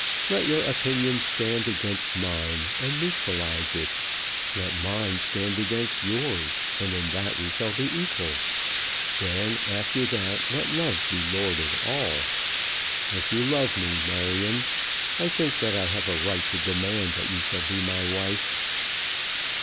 Let your opinion stand against mine, and neutralize it. Let mine stand against yours, and in that we shall be equal. Then after that let love be lord of all. If you love me, Marion, I think that I have a right to demand that you shall be my wife."